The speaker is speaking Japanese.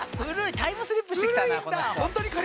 タイムスリップしてきたなこの人。